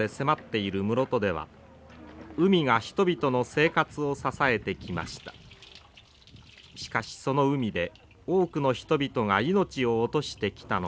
しかしその海で多くの人々が命を落としてきたのです。